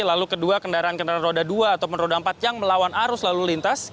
atau peneroda dua atau peneroda empat yang melawan arus lalu lintas